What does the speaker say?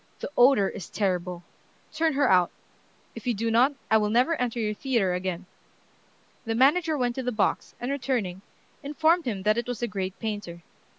The odor is terrible. Turn her out. If you do not, I will never enter your theatre again." The manager went to the box, and returning, informed him that it was the great painter.